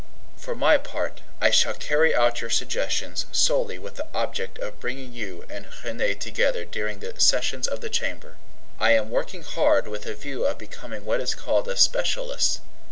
For my part, I shall carry out your suggestions solely with the object of bringing you and Renee together during the sessions of the Chamber. I am working hard with the view of becoming what is called a specialist.